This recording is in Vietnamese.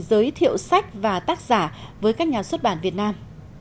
giới thiệu sách và tác giả với các nhà xuất bản việt nam